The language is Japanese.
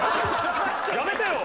やめてよ！